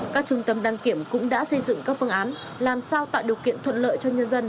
các trung tâm đăng kiểm cũng đã xây dựng các phương án làm sao tạo điều kiện thuận lợi cho nhân dân